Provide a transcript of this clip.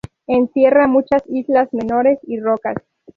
Encierra muchas islas menores y rocas.